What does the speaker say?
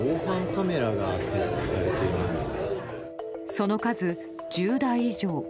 その数１０台以上。